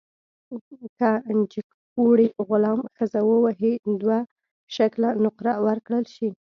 که جګپوړي غلام ښځه ووهي، دوه شِکِله نقره ورکړل شي.